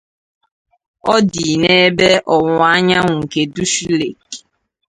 Ọ dị n'ebe ọwụwa anyanwụ nke Dushu Lake.